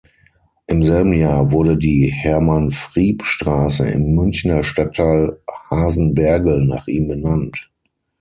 Im selben Jahr wurde die Hermann-Frieb-Straße im Münchner Stadtteil Hasenbergl nach ihm benannt.